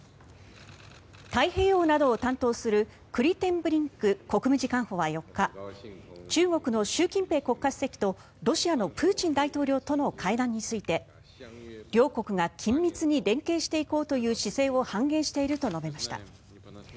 太平洋などを担当するクリテンブリンク国務次官補は４日、中国の習近平国家主席とロシアのプーチン大統領との会談について両国が緊密に連携していこうという姿勢を反映していると述べました。